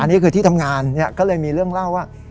อันนี้คือที่ทำงานก็เลยมีเรื่องเล่าว่า